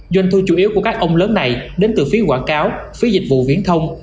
doanh thu chủ yếu của các ông lớn này đến từ phía quảng cáo phía dịch vụ viễn thông